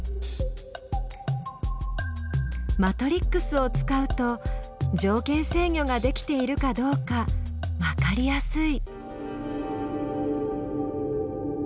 マトリックスを使うと条件制御ができているかどうかわかりやすい。